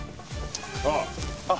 ああ。